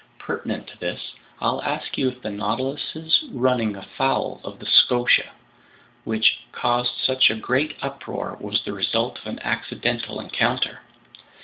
Pertinent to this, I'll ask you if the Nautilus's running afoul of the Scotia, which caused such a great uproar, was the result of an accidental encounter?"